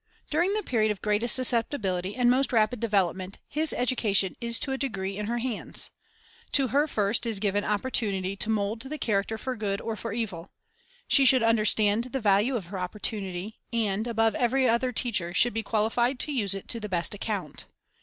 During •*■ the period of greatest susceptibility and most rapid development his education is to a great degree in her hands. To her first is given opportunity to mould the character for good or for evil. She should understand the value of her opportunity, and, above every other teacher, should be qualified to use it to the best account.